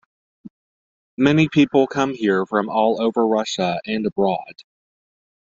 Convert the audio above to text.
Many people come here from all over Russia and abroad.